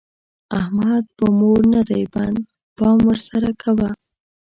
احمد په مور نه دی بند؛ پام ور سره کوه.